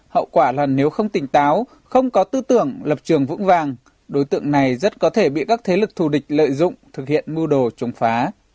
hậu quả là nếu không tỉnh táo không có tư tưởng lập trường vững vàng đối tượng này rất có thể bị các thế lực thù địch lợi dụng thực hiện mưu đồ chống phá